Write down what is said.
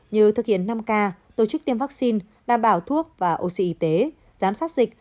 như thực hiện năm k tổ chức tiêm vaccine đảm bảo thuốc và oxy y tế giám sát dịch